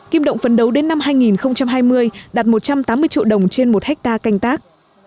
kim động phấn đấu đến năm hai nghìn hai mươi đạt một trăm tám mươi triệu đồng trên một hectare canh tác